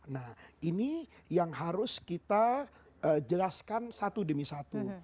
nah ini yang harus kita jelaskan satu demi satu